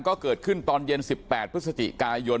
ก็เกิดขึ้นตอนเย็น๑๘พฤศจิกายน